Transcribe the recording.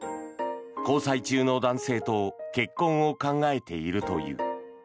交際中の男性と結婚を考えているという。